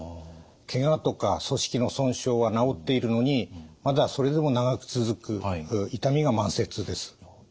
けがとか組織の損傷は治っているのにまだそれでも長く続く痛みが慢性痛です。